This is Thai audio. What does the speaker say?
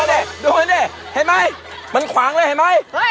เห็นไหมมันขวางเลยเห็นไหม